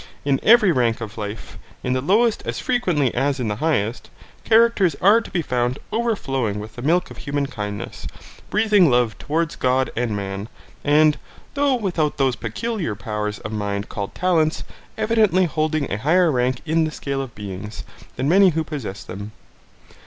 In every rank of life, in the lowest as frequently as in the highest, characters are to be found overflowing with the milk of human kindness, breathing love towards God and man, and, though without those peculiar powers of mind called talents, evidently holding a higher rank in the scale of beings than many who possess them.